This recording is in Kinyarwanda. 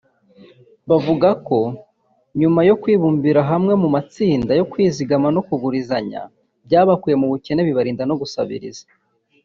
Bavuga ko nyuma yo kwibumbira hamwe mu matsinda yo kwizigama no kugurizanya byabakuye mu bukene bibarinda no gusabiriza